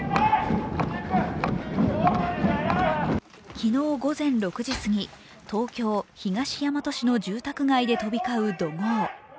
昨日午前６時過ぎ、東京・東大和市の住宅街で飛び交う怒号。